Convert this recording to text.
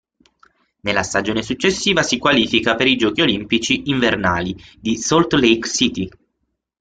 Nella stagione successiva si qualifica per i Giochi olimpici invernali di Salt Lake City.